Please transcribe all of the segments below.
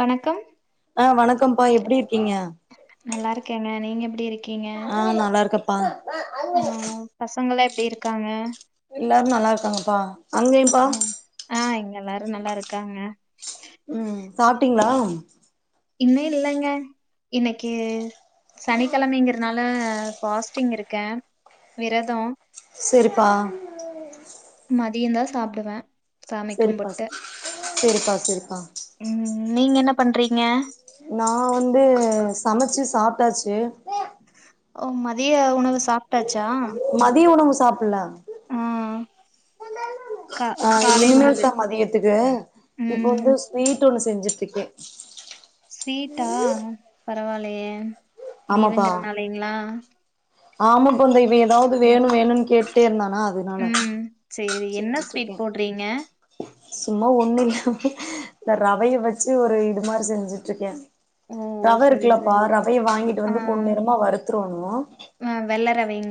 வணக்கம் ஆ வணக்கம்ப்பா எப்டி இருக்கீங்க நல்லா இருக்கேங்க. நீங்க எப்படி இருக்கீங்க? ஆ நல்லாருக்க பா ஆ பசங்கல்லா எப்டி இருக்காங்க எல்லாரு நல்லாருக்காங்க பா ம் ஆ இங்க எல்லாரு நல்லாருக்காங்க ம் சாப்ட்டீங்களா இன்னு இல்லங்க இன்னைக்கி சனிக்கழமைங்கிறதுனா ல ஃபாஸ்டிங் இருக்கே விரதோ செரிப்பா மதியோந்தா சாப்டுவே செரிப்பா செரிப்பா செரிப்பா ம் நீங்க என்ன பண்றீங்க நா வந்து சமைச்சு சாப்ட்டாச்சு ஓ மதிய உணவு சாப்ட்டாச்சா மதிய உணவு சாப்புல்ல ம் ஆ இனிமேல் உணவு. தா மதியத்துக்கு ம். இப்ப ம். வந்து ஸ்வீட் ஒண்ணு செஞ்சிட்ருக்கே ஸ்வீட்டா பரவால்லையே லீவுங்கறனாலைங்ளா ஆமாப்ப இந்த இப்ப ஏதாவுது வேணு வேணுன் கேட்டேருந்தானா அது ம் சேரி என்ன ஸ்வீட் போடுறீங்க சும்மா ஒண்ணுல்ல இந்த ரவைய வச்சு ஒரு இது மாரி செஞ்சுட்ருக்கே ஓ! ரவ சரி, இருக்குலப்பா சரி. ரவைய வாங்கிட்டு வந்து பொன்னெறமா வறுத்துருணு ம் வெள்ள ரவைங்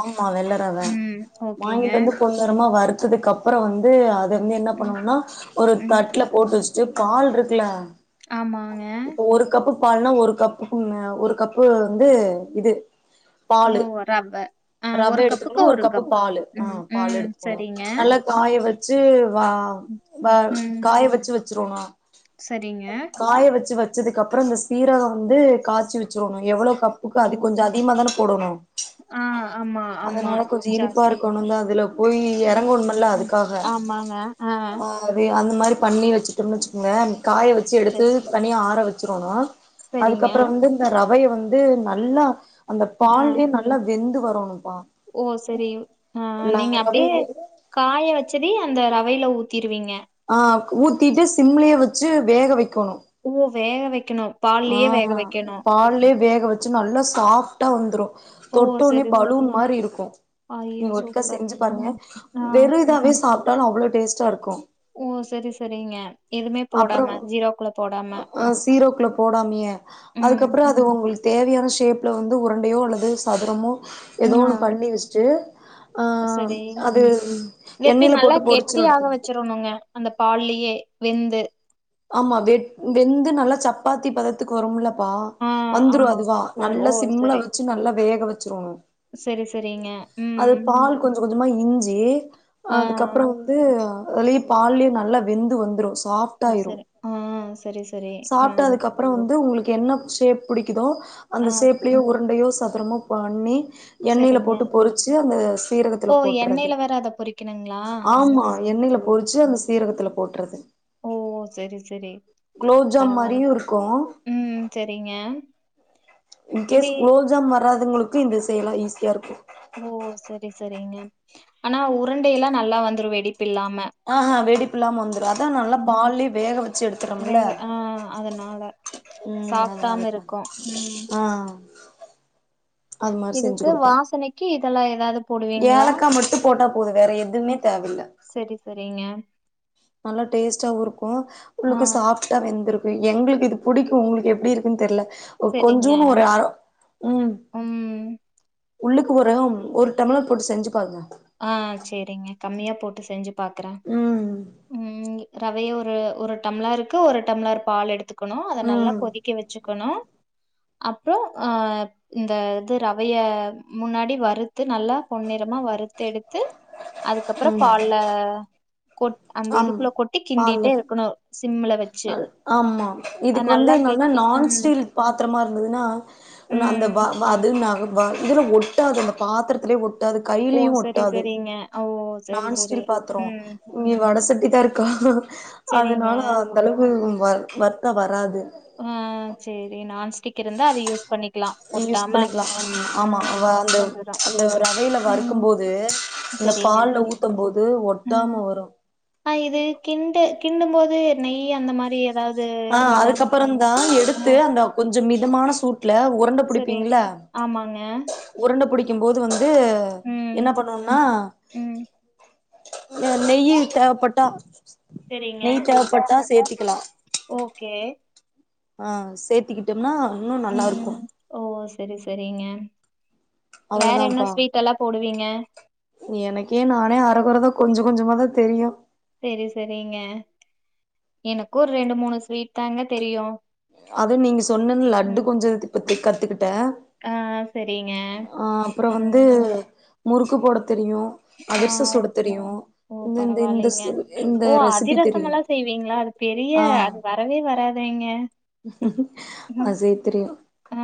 ஆமா வெள்ள ரவ ஓகேங்க. வாங்கிட்டு வந்து பொன்னெறமா வறுத்ததுக்கு அப்புறோ வந்து அத வந்து என்னா ம், பண்ணணுன்னா ஒரு ம். தட்ல போட்டு வெச் சு பால்ட்ருக்குல ஆமாங்க ஒரு கப்பு பால்னா ஒரு கப்புக்கு மே ஒரு கப்பு வந்து இது [unintelligible] ரவ்வே கப்புக்கு எடுத்துக்குணு ஒரு கப்பு கப். பாலு ஆ ம், பாலு ம். எடுத்துக்குணு சரிங்க. நல்லாக் காய வெச்சி வா வா ம், காய வெச்சி வெச்சிரோனு சரிங்க. காய வெச்சி வச்சதுக்கு அப்புறோ இந்த சீரகோ வந்து காய்சி வச்சிர்ணு எவ்ளோ கப் க்கு ஓ! அது கொஞ்சோ அதிகமாதான போடணு ஆ, ஆமா, ஆமா. அதனால கொஞ்சு ஜாஸ்தி. இனிப்பாருக்கோணு தா அதுல போயி ம், எறங்கோணுமல்ல ம். அதுக்காக ஆமாங்க. ஆ ரவயே அந்த மாரி பண்ணி வச்சுட்டோம்னு வச்சுக்கோங்களே காய வெச்சு எடுத்து சரி. தனியா ஆற வச்சிரோணு சரிங்க. அதுக்கப்புறோ வந்து இந்த ரவைய வந்து நல்லா அந்த ஆ. பால்லே நல் வெந்து வரணும்ப்பா ஓ செரி ஆ நா நீங்க அப்டே ரவைய காய வச்சதி அந்த ரவையில ஊத்திருவீங்க ஆ ஊத்திட்டு சிம்லே வெச்சு வேக வைக்கோணு ஓ வேக வெக்கணு ஆ பால்லே வேக வெச்சு நல்லா சாப்டா வந்துரு ஓ! தொட்டோனே சரி. ஸ் பலூன் மாரி இருக்கு நீ ஐயோ! ஒருக்கா சூப்பர். செஞ்சு பாருங்க ம். ஆ. வெறு இதாவே சாப்ட்டாலு அவ்ளோ டேஸ்ட்டாருக்கு ஓ செரி செரிங்க எதுவுமே அப்றோ போடாம ஜீராக்குள்ள போடாம ஆ சீராக்குள்ள போடாமியே ம். அதுக்கப்புறோ அது உங்களுக்கு தேவையான ஷேப்ல வந்து உருண்டையோ அல்லது சதுரமோ ஆ. ஏதோ ஒன்னு பண்ணி வச்சுட்டு ஆ சரி. அது எண்ணெயில போட்டு பொறிச்சு எடுத்துரணு சுரணுங்க அந்த பால்லயே வெந்து ஆமா வெட் வெந்து நல்லா சப்பாத்தி பதத்துக்கு வரும்லப்பா ஆ, வந்துரு ஆமா. அதுவா அ நல்ல ஓ! சிம்ள சரி. வச்சு நல்லா வேக வச்சிரொணு சரி, சரிங்க. அது ம். பால் கொஞ்ச கொஞ்சமா இஞ்சி் அ ஆ. அதுக்கப்றோ து அலயு பால்லயு நல்லா வெந்து வந்துரு சாஃப் அ சரி ஆ சரி சரி ஆ அப்றோ வந்து உங்களுக்கு என்ன ஷேப் பிடிக்குதோ ஆ அந்த ஷேப்லஞ உருண்டையோ சதுரமோ பண்ணி எண்ணெயில சரிங்க. போட்டு பொறிச்சு அந்த ஓ! சீரகத்துல போட்டுறது எண்ணெயில வேற அத பொரிக்கணுங்களா? சரி, ஆமா சரி, எண்ணெயில சரி. பொறிச்சு அந்த சீரகத்துல போட்டுறது ஓ சரி சரி குலோப்ஜாம் பரவா மாரியு இருக்கு ம் சரிங்க இது இன்கேஸ் குலோவ்ஜாம் வராதவங்களுக்கு இந்த செய்லா ஈஸியா இருக்கு ஓ சரி சரிங்க ஆனா உருண்டையலா நல்லா வந்துரு வெடிப்பு இல்லாம ஆஹா வெடிப்பு இல்லாம வந்துரு அதா நல்லா ம். பால்ல வேக வச்சு வே எடுத்துரோம்ல ஆ அதனால. ம் அதுனால சாப்டாம தா இருக்கும். ம். ஆ அது மாரி செஞ்சு இதுக்கு குடுப்பே வாசனைக்கு இதுல ஏதாது ஏலக்கா மட்டு போட்டா போது வேற எதுமே தேவ இல்ல சரி சரிங்க நல்லா டேஸ்ட்டாவு இருக்கு ஆ. உள்ளுக்கு சாஃப்டா வெந்திருக் கு எங்களுக்கு இது பிடிக்கு உங்ளுக்கு எப்படி இருக்குன் தெர்ல ஒ சரிங்க. கொஞ்சோனு ஒரு அர ம் ம். உள்ளுக்கு ஒரம் ஒரு டம்ளர் போட்டு செஞ்சு பாருங்க ஆ செரிங்க கம்மியா போட்டு செஞ்சு பாக்குறே ம் ம் ரவைய ஒரு ஒரு டம்ளருக்கு ஒரு டம்ளர் பால் எடுத்துக்கணு அத நல்லா ம் கொதிக்க வச்சுக்கணு அப்போ ஆ இந்த இது ரவைய முன்னாடி வறுத்து நல்லா பொன்னிறமா வறுத்து எடுத்து அதுக்கப்றோ ம் பால்ல கொட் அந்த ஆம் இதுக்குல கொட்டி கிண்டிட்டே இருக்கணு சிம்ல வச் அல் ஆமா இதுக்கு வந்து நல்லா கெட்டி நான் ம் ஸ்டீல் பாத்திரமா இருந்ததுன்னா ஒன்னு அந்த ம் வா வா அது ந வா இதுல ஒட்டாது அந்த பாத்திரத்துலே ஒட் அது கையிலயு ஒட்டாது அ ஓ சரி நான் சரி ஸ்டில் பாத்திரோ ம் இங்க வட சட்டி தா இருக்கா சரிங்க அதனால தளவு வ வர்த்தா வராது ஆ செரி நான்ஸ்டிக் இருந்தா அத யூஸ் பண்ணிக்கலா யூஸ் ஒட்டாம பண்ணிக்லா ஆமா ஆமா வ ம் அந்த வந்துரு அந்த ரவையில ம் வறுக்கும் போது இந்த சரிங்க பால்ல ஊத்தும் போது ம் ஒட்டாம வரு ஆ இது கிண்டு கிண்டும் போது நெய் அந்த மாரி ஏதாவ்து வேணா அப்றம் தா ஆ எடுத்து அந்த கொஞ்சோ மிதமான சூட்ல உரண்ட சரி பிடிப்பீங்ள ஆமாங்க உருண்ட பிடிக்கும் போது வந்து ம் என்ன பண்ணுவோம்னா ம் அ நெய்யி தேவப்பட்டா சரிங்க நெய் தேவப்பட்டா சேத்திக்கலா ஓகே ஆ சேத்திக்கிட்டோம்னா இன்னு நல்லா இருக்கு ம் ஓ சரி சரிங்க வேற என்ன அவ்ளோதான்ப்பா ஸ்வீட் எல்லா போடுவீங்க எனக்கே நானே அரகொறதா கொஞ்சோ கொஞ்சமாதா தெரியு செரி செரிங்க எனக்கு ஒரு ரெண்டு மூணு ஸ்வீட் தாங்க தெரியு அது நீங்க சொன்ன லட்டு ம் கொஞ்சோ இப்போத்தைக் கத்துக்கிட்ட ஆ சரிங்க ஆ அப்புறோ வந்து ம் முறுக்கு போட தெரியு அதிர்ச சுட ஆமா தெரியு ஓ இந்த இந்த இந்த பரவாலிங்க இந்த ஓ ரெசிபி அதிரசம் தெரியு எல்லா செய்வீங்ளா அது பெரிய ஆ அது வரவே வராதேங்க ம் அது செய் தெரியு ஆ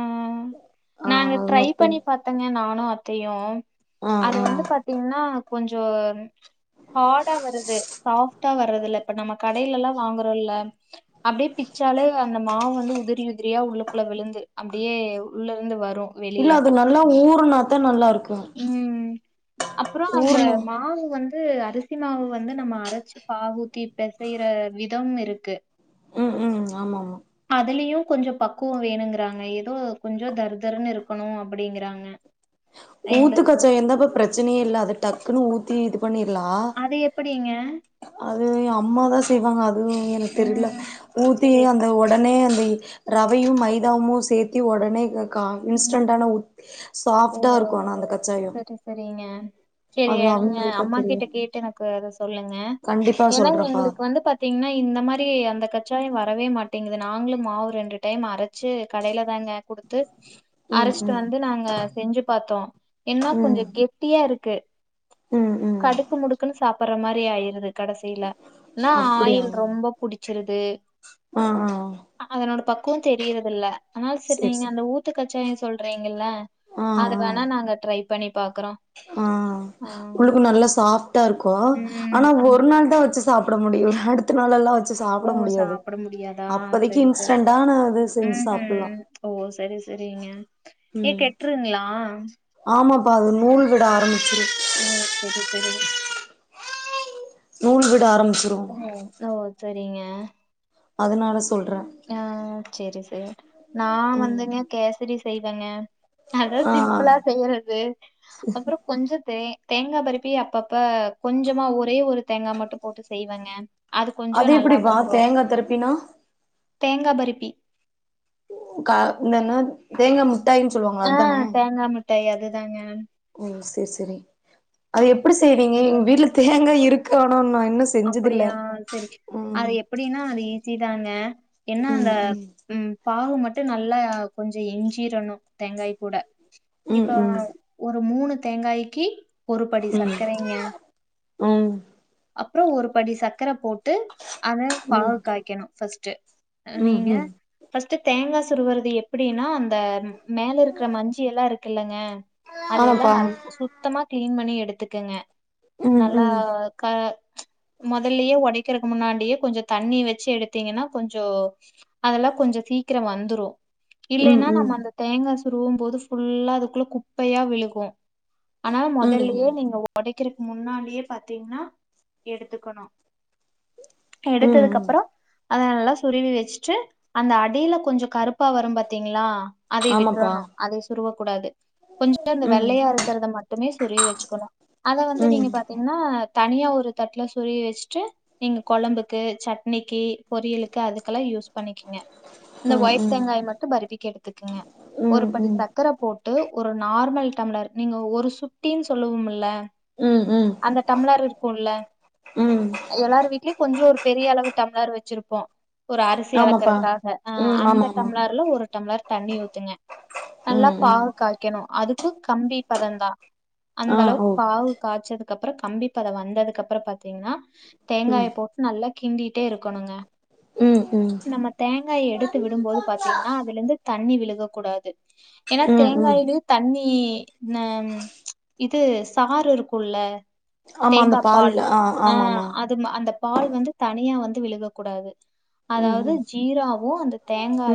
ஆ நாங்க அது ட்ரை மட்டு பண்ணி பாத்தங்க நானு அத்தையு ஆ அது ஆ வந்து பாத் பாத்தீங்ன்னா கொஞ்சோம் ஹாடா வருது சாஃப்ட்டா வர்றது இல்ல இப்ப நம்ம கடையில எல்லா வாங்கறோ இல்ல அப்டியே பிச்சாலே அந்த மாவு வந்து உதிரி உதிரியா உள்ளக்குள்ள விழுந்து அப்டியே உள்ள இருந்து வரு இல்ல வெளிய அது நல்லா ஊர்னாதா நல்லாருக் ம் அப்புறோ அந்த ஊறுனா மாவு வந் ந்து அரிசி மாவு வந்து நம்ம அரச்சு பாகூத்தி பெசையிற விதம் இருக்கு ம் ம் ஆமா ஆமா ஆ அதுலியு கொஞ்சோ பக்குவோ வேணுங்குறாங்க எதோ கொஞ்சோ தருதருன்னு இருக்கணு அப்புடிங்குறாங்க ஊத்து கச்சாயோ இருந்தப்போ பிரச்சனையே இல்ல அத டக்குன்னு ஊத்தி இது பண்ணிர்லா அது எப்டிங்க அது எ அம்மாதா செய்வாங்க அது எனக்கு தெர்ல ம் ஊத்தி செரி அந்த ஒடனே அந்திரி ரவையு மைதாவுமு சேத்தி ஒடனே உ க ம் இன்ஸ்டன்டானா ஊத் சாஃப் ட்டா இருக்கு ஆனா அந்த கச்சாயோ ட்டு சேரிங்க சேரி அது நீங்க அவங்களுக்குதா அம்மா தெரியு கிட்ட கேட்டு நா க்கு அத சொல்லுங்க கண்டிப்பா ஏன்னா சொல்றேப்பா எங்களுக்கு வந்து பாத் பாத்தீங்கன்னா இந்த மாரி அந்த கச்சாயோ வரவே மாட்டிங்குது நாங்களும் மாவு ரெண்டு டைம் அரச் வெச்சு கடையில தாங்க குடுத்து ம் அரச்சுட்டு ம் வந்து நாங்க செஞ்சு பாத்தோ என்ன கொஞ்ச ம் கெட்டியா இருக்கு ம் ம் கடுக்கு முடுக்குன்னு சாப்புற மாரி ஆயிருது கடைசில இல்னா அப்படியா ஆயில் ரொம்போ புடிச்சிருது ஆ ஆ அதனோட பக்குவோ தெரியுறது இல்ல அதனால சேரி நீங்க அந்த ஊத்து கச்சாயோ சொல்றீங்கல்ல ஆ அத ஆ வேணா நாங்க ட்ரை பண்ணி பாக்குறோ ஆ ஆ உள்ளுக்குல்ல நல்லா சாஃப்டா இருக்கு ம் ஆனா ஒரு ஆமா நாள் தா வெச்சுஸ் சாப்ட முடியு அடுத் அடுத்த நாள் எல்லா வெச்சு ஓ சாப்புட முடியாது சாப்புட முடியாதா அப்போதைக்கு செரி செரி இன்ஸ்டண்டான செஞ்சு சாப்புடலா ம்ஹ்ம். ஓ செரி செரிங்க ஏ கெட்டுருங்ளா ஆமாம்பா அது நூல் விட ஆரம்பிச்சுரு ஓ செரி செரிங் நூல் விட ஆரம்பிச்சுரு ஓ ஓ சேரிங்க அதனால சொல்ற ஆ சேரி சேரி நா ம் வந்துங்க கேசரி செய்வேங்க அதா ஆ சிம்புளா செய்றது அப்புறோ கொஞ்சோ தே தேங்கா பருப்பி அப்பப்ப கொஞ்சமா ஒரே ஒரு தேங்கா மட்டு போட்டுஸ் செய்வங்க அது கொஞ்சோ நல்லா வந்துரோ தரப்பினா தேங்கா பரிப்பி கா இந்தன்ன தேங்கா மு அ தேங்கா முட்டாய் அதுதாங்க அது எப்டி செய்வீங்க அது எங்க வீட்ல தேங்கா இருக்கு ஆனா நா என்ன இன்னு செஞ்சதில்ல அப்பிடியா செரி ம் அது எப்பிடின்னா அது ஈஸி தாங்க என்ன ம் அந்த ம் ம் பாகு மட்டோ நல்லா கொஞ்ச இஞ்சிரணும் தேங்கா கூட ம் இப்ப ம் ஒரு மூணு தேங்காய்க்கு ஒரு படி ம் சக்கரைங்க ம் அப்பறோ ஒரு படி சக்கர போட்டு அத பாகு ம் காய்க்கணும் ஃபஸ்ட்டு அ ம் நீங்க ம் ஃபஸ்ட்டு தேங்கா சுருவருது எப்டின்னா அந்த மேல இருக்கற மஞ்சி எல்லாம் இருக்கு இல்லங்க அதையெல்லாம் ஆமாப்பா நா சுத்தமா கிளீன் பண்ணி எடுத்துக்கங்க ம் நல்லா ம் க மொதல்லயே ஒடைக்கிறக்கு முன்னாடியே கொஞ்சோ தண்ணி வச்சு எடுத்தீங்கன்னா கொஞ்சோ அதெல்லாம் கொஞ்சோ சீக்கிரம் வந்துரோ ம் இல்லைன்னா நம்ம ம் அந்த தேங்காய் சுருவும் போது ஃபுல்லா அதுக்குள்ள குப்பையா விழுகும் ஆனா ம் ம் மொதல்லயே நீங்க ஒடைக்கிறதுக்கு முன்னாடியே பாத்தீங்கன்னா எடுத்துக்கணும் ம் எடுத்ததுக்கப்பறம் அத நல்லா சுருவி வச்சுட்டு அந்த அடில கொஞ்சோ கருப்பா வரும் பாத்தீங்களா அதையு ஆமாப்பா விட்டுறணும் அதை சுருவக் கூடாது கொஞ்சம் இந்த ம் வெள்ளையா இருக்கறத மட்டுமே சுருவி வச்சுக்கணும் அத வந்து ம் நீங்க பாத்தீங்கன்னா தனியா ஒரு தட்ல சுருவி வச்சுட்டு நீங்க கொழம்புக்கு சட்னிக்கு பொரியலுக்கு அதுக்கெல்லாம் யூஸ் பண்ணிக்கீங்க இந்த ம் ம் ஒய்ட் தேங்காய மட்டும் பருபிக்கு எடுத்துக்குங்க ஒரு ம் படி ச ம் சக்கர போட்டு ஒரு நார்மல் டம்ளர் நீங்க ஒரு சுட்டின்னு சொல்லுவோம்ல்ல ம் ம் அந்த டம்ளர் இருக்கோல்ல ம் எல்லாரு வீட்லயு கொஞ்சோ ஒரு பெரிய அளவு டம்ளார் வச்சிருப்போ ஒரு அரிசி ஆமாப்பா அளக்குறக்காக ஆ ம் ஆமா அந்த ஆமா டம்ளர்ல ஒரு டம்ளர் தண்ணி ஊத்துங்க நல்லா ம் ம் பாகு காய்க்கணும் அதுக்கு கம்பி பதந்தான் அந்த ஆ ஓ அளவுக்கு பாகு காச்சதுக்கப்பறம் கம்பிப்பதம் வந்ததுக்கப் அப்பறம் பாத்தீங்கன்னா ம் தேங்காய போட்டு நல்லா கிண்டிட்டே இருக்கணுங்க ம் ம் நம்ம தேங்காய எடுத்து விடும்போது பாத்தீங்கன்னா அதுல இருந்து தண்ணி விழுக கூடாது ஏன்னா ம் ம் தேங்காயிலயு தண்ணி ந ம் இது சாறு இருக்கோல்ல ஆமா அந்த பால்ல ஆ ஆமா ஆமா அது அந்த பால் வந்து தனியா வந்து விழுக கூடாது ம் அதாவது ம் ஜீராாவும் அந்த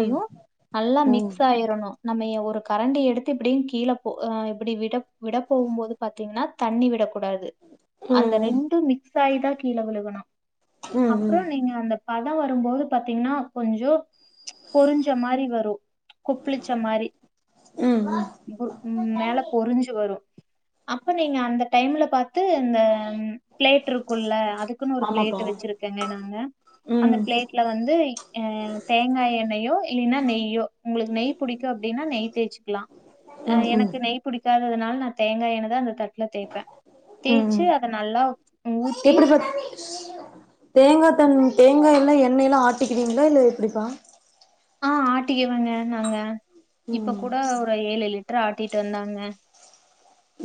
ம் நல்லா ம் மிக்ஸ் ஆயிரணோ நம்மய ஒரு கரண்டிய எடுத்து இப்டினு கீழ போ அ இப்பிடி விட விட போம் போது பாத்தீங்கன்னா தண்ணி விடக் கூடாது அந்த ம் ரெண்டும் மிக்ஸ் ஆயிதான் கீழ விழுகணோ ம் ம் அப்றோ நீங்க அந்த பதம் வரும்போது பாத்தீங்கன்னா கொஞ்சோ பொறிஞ்ச மாரி வரும் குப்பிளிச்சா மாரி ம் ம் ம் மேல பொரிஞ்சு வரு அப்ப நீங்க அந்த டைம்ல பாத்து இந்த ம் ப்ளேட் இருக்குல்ல அதுக்குன்னு ஒரு ஆமாப்பா பிளேட் வச்சிருக்கேங்க நாங்க அந்த ம் பிளேட்ல வந்து அ தேங்காய் எண்ணெயோ இல்லன்னா நெய்யோ உங்களுக்கு நெய் பிடிக்கு அப்டின்னா நெய் தேய்சிக்கலா அ ம் ம் எனக்கு நெய் புடிக்காததுனால நா தேங்காய் எண்ணெய் தா அந்த தட்டுல தேய்ப்பே ம் தேய்ச்சு அது நல்லா ஊத்தி எப்டி சொல் தேங்காய் தண்ணி தேங்காய் எல்லா எண்ணெய்ல ஆட்டிக்கிறீங்களா இல்ல எப்டிப்பா ஆ ஆட்டிக்கவங்க நாங்க இப்ப ம் கூட ஒரு ஏழு லிட்டர் ஆட்டிட்டு வந்தாங்க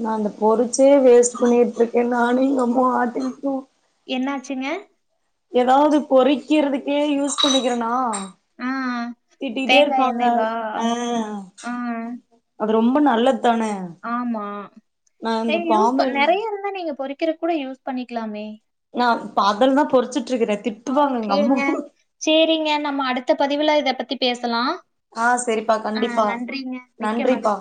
நா அந்த பொறிச்சே வேஸ்ட் ம். பண்ணிட்டு இருக்கே நானு எங்க அம்மா ஆட்டலமாக்கு என்ன ஆச்சுங்க ஏதாவது பொறிக்கிறதுக்கே யூஸ் பண்ணிக்கிறேனா ஆ திட்டிட்டே தேங்கா இருப்பாங்க எண்ணெய்வா ஆ ஆ அது ரொம்ப நல்லது தானே ஆமா யூஸ் வேற யூஸ் பண் பாமாயில் நெறைய இருந்தா நீங்க பொறிக்கிற கூட யூஸ் பண்ணிக்கலாமே நா இப்ப அதுல தா பொறிச்சிட்டு இருக்கிறே திட்டுவாங்க எங்க அம்மா ஓகேங்க. சேரிங்க நம்ம அடுத்த பதிவுல இத பத்தி பேசலா ஆ செரிப்பா ஆ கண்டிப்பா நன்றிங்க மிக்க நன்றிப்பா மகிழ்